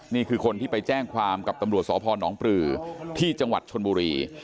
นี่คือคนที่ไปแจ้งความกับตำรวจสพนปรือที่จังหวัดชนบุรี